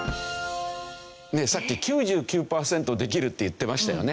さっき９９パーセントできるって言ってましたよね。